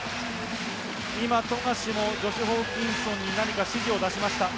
今、富樫もジョシュ・ホーキンソンに何か指示を出しました。